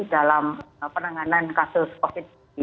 dalam penanganan kasus covid sembilan belas